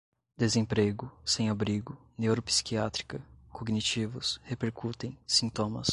desemprego, sem-abrigo, neuropsiquiátrica, cognitivos, repercutem, sintomas